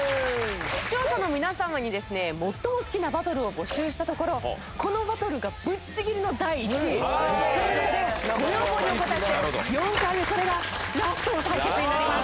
視聴者の皆様にですね最も好きなバトルを募集したところこのバトルがぶっちぎりの第１位という事でご要望にお応えして４回目これがラストの対決になります。